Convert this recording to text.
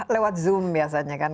lewat zoom biasanya kan